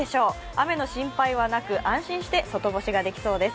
雨の心配はなく安心して外干しができそうです。